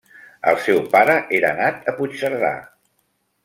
El seu pare era nat a Puigcerdà.